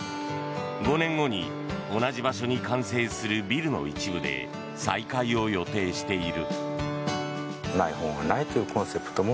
５年後に同じ場所に完成するビルの一部で再開を予定している。